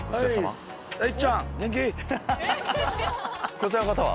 こちらの方は？